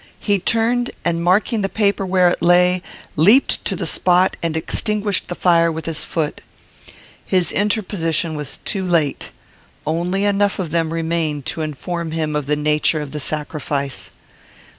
He turned, and, marking the paper where it lay, leaped to the spot, and extinguished the fire with his foot. His interposition was too late. Only enough of them remained to inform him of the nature of the sacrifice.